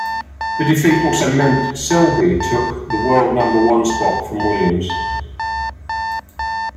The defeat also meant that Selby took the world number one spot from Williams.